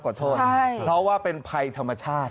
ขอโทษเพราะว่าเป็นภัยธรรมชาติ